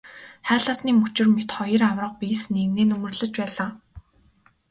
Хайлаасны мөчир мэт хоёр аварга биес нэгнээ нөмөрлөж байлаа.